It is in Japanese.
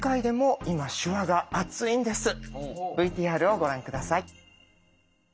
ＶＴＲをご覧下さい。